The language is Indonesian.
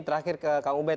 terakhir ke kang ubed